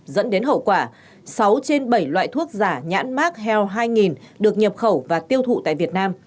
dẫn đến hậu quả sáu trên bảy loại thuốc giả nhãn mark hell hai nghìn được nhập khẩu và tiêu thụ tại việt nam